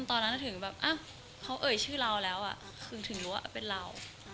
ตอนนั้นถึงแบบเขาเอ่ยชื่อเราแล้วถึงรู้ว่าเป็นเรา